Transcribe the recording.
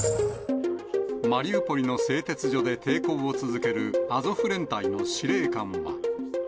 マリウポリの製鉄所で抵抗を続けるアゾフ連隊の司令官は。